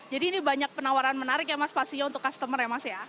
jadi ini banyak penawaran menarik ya mas pastinya untuk customer ya mas ya